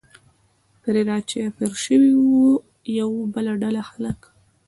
پرې را چاپېر شوي و، یوه بله ډله خلک.